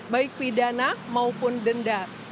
baik pidana maupun denda